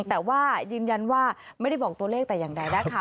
แต่ว่ายืนยันว่าไม่ได้บอกตัวเลขแต่อย่างใดนะคะ